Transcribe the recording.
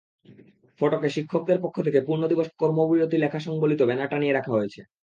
ফটকে শিক্ষকদের পক্ষ থেকে পূর্ণ দিবস কর্মবিরতি লেখা-সংবলিত ব্যানার টানিয়ে রাখা হয়েছে।